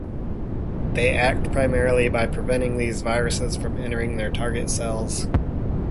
They act primarily by preventing these viruses from entering their target cells.